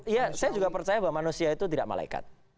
iya saya juga percaya bahwa manusia itu tidak malaikat